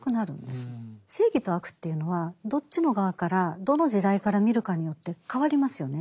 正義と悪というのはどっちの側からどの時代から見るかによって変わりますよね。